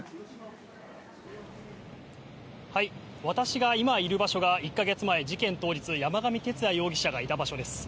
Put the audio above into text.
私は今いる場所が１か月前、事件当日、山上徹也容疑者がいた場所です。